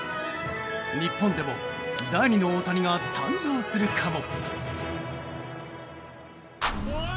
日本でも第２の大谷が誕生するかも？